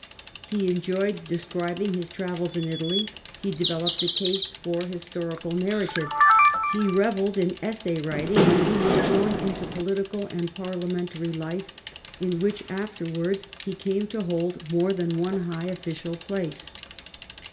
He enjoyed describing his travels in Italy ; he developed a taste for historical narrative ; he revelled in essay writing, and he was drawn into political and parliamentary life, in which afterwards he came to hold more than one high official place.